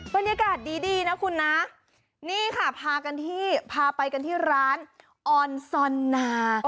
บรรยากาศดีนะคุณนะนี่ค่ะพากันที่พาไปกันที่ร้านออนซอนนา